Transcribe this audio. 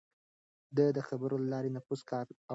ده د خبرو له لارې نفوذ کاراوه.